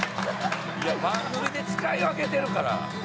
いや番組で使い分けてるから。